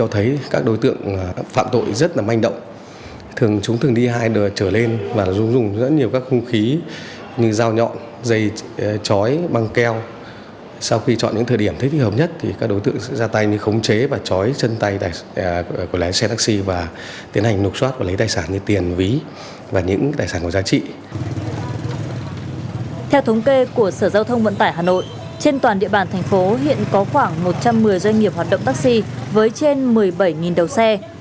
theo thống kê của sở giao thông vận tải hà nội trên toàn địa bàn thành phố hiện có khoảng một trăm một mươi doanh nghiệp hoạt động taxi với trên một mươi bảy đầu xe